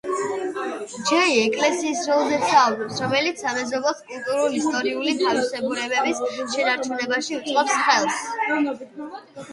ჯეი ეკლესიის როლზეც საუბრობს, რომელიც სამეზობლოს კულტურულ-ისტორიული თავისებურებების შენარჩუნებაში უწყობს ხელს.